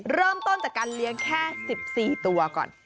เริ่มต้นจากการเลี้ยงแค่๑๔ตัวก่อน